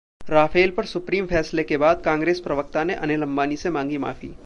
Rafale पर supreme फैसले के बाद कांग्रेस प्रवक्ता ने अनिल अंबानी से मांगी माफी!